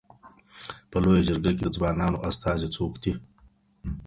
په لویه جرګه کي د ځوانانو استازی څوک دی؟